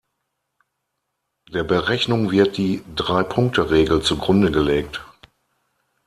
Der Berechnung wird die Drei-Punkte-Regel zugrunde gelegt.